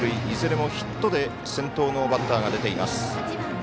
いずれもヒットで先頭のバッターが出ています。